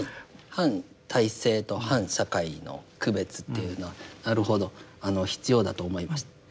反体制と反社会の区別っていうのはなるほど必要だと思います。